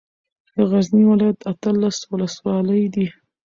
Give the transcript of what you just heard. د غزني ولايت اتلس ولسوالۍ دي